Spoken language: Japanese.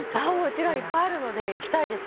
もちろんいっぱいあるので行きたいです。